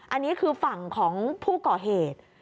อันนี้คือฝั่งของผู้ก่อเหตุ